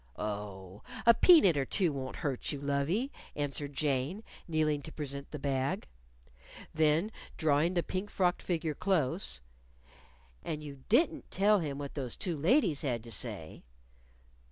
"Oh, a peanut or two won't hurt you, lovie," answered Jane, kneeling to present the bag. Then drawing the pink frocked figure close, "And you didn't tell him what them two ladies had to say?"